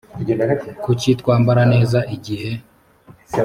kuki twambara neza igihe